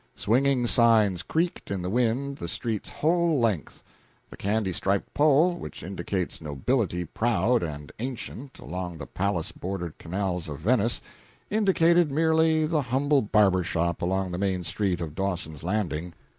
Swinging signs creaked in the wind, the street's whole length. The candy striped pole which indicates nobility proud and ancient along the palace bordered canals of Venice, indicated merely the humble barber shop along the main street of Dawson's Landing.